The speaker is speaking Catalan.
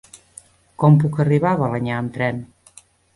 Com puc arribar a Balenyà amb tren?